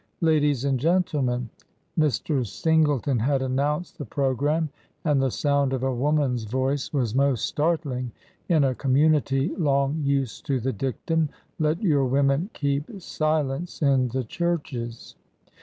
Ladies and gentlemen :"— Mr. Singleton had announced the program, and the sound of a woman's voice was most startling in a com munity long used to the dictum :" Let your women keep silence in the churches."